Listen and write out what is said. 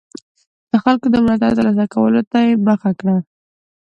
د خلکو د ملاتړ ترلاسه کولو ته یې مخه کړه.